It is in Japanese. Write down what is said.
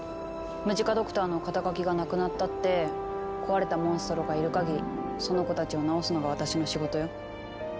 ムジカ・ドクターの肩書がなくなったって壊れたモンストロがいるかぎりその子たちをなおすのが私の仕事よ。